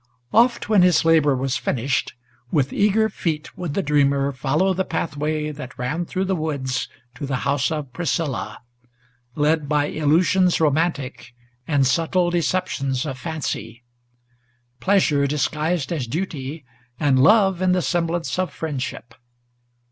Oft when his labor was finished, with eager feet would the dreamer Follow the pathway that ran through the woods to the house of Priscilla, Led by illusions romantic and subtile deceptions of fancy, Pleasure disguised as duty, and love in the semblance of friendship.